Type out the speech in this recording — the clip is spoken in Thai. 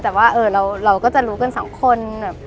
แต่ว่าเราก็จะรู้กันสองคน